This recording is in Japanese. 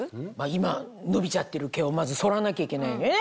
今伸びちゃってる毛をまずそらなきゃいけないよね。